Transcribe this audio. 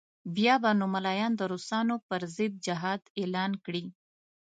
بیا به نو ملایان د روسانو پر ضد جهاد اعلان کړي.